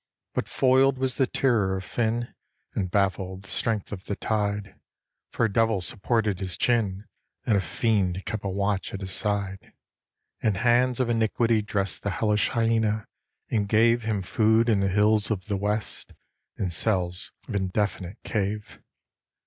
But foiled was the terror of fin, and baffled the strength of the tide, For a devil supported his chin and a fiend kept a watch at his side. And hands of iniquity drest the hellish hyena, and gave Him food in the hills of the west in cells of indefinite cave.